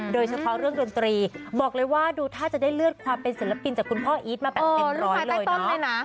โดยเฉพาะเรื่องดนตรีบอกเลยว่าดูท่าจะได้เลือดความเป็นศิลปินจากคุณพ่ออีทมาแบบเต็มรูปไม้ใต้ต้นเลยนะ